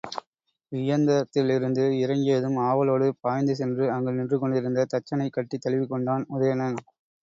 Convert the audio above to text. இயந்திரத்திலிருந்து இறங்கியதும் ஆவலோடு பாய்ந்து சென்று அங்கு நின்று கொண்டிருந்த தச்சனைக் கட்டித் தழுவிக் கொண்டான் உதயணன்.